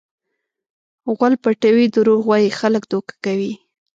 غول پټوي؛ دروغ وایي؛ خلک دوکه کوي.